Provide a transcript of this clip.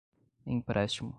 empréstimo